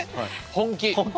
本気？